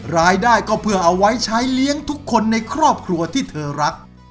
รายได้ก็เพื่อเอาไว้ใช้เลี้ยงทุกคนในครอบครัวที่เธอรัก